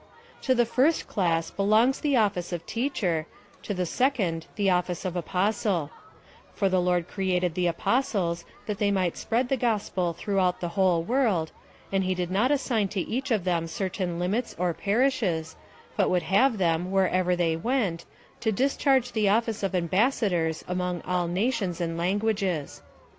To the first class belongs the office of Teacher, to the second the office of Apostle ;^ for the Lord created the Apos tles, that they might spread the gospel throughout the whole world, and he did not assign to each of them certain limits or parishes, but would have them, wherever they went, to discharge the office of ambassadors among all nations and languages.